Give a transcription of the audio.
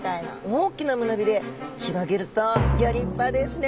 大きな胸鰭広げるとギョ立派ですね！